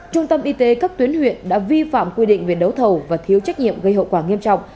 trung tâm y tế các tuyến huyện đã vi phạm quy định về đấu thầu và thiếu trách nhiệm gây hậu quả nghiêm trọng